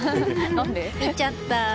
見ちゃった！